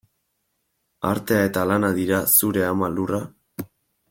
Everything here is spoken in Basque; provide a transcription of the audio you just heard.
Artea eta lana dira zure ama lurra?